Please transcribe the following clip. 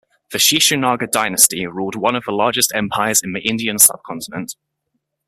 The Shishunaga dynasty ruled one of the largest empires in the Indian subcontinent.